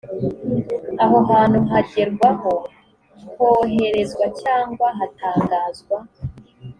aho hantu hagerwaho, hoherezwa cyangwa hatangazwa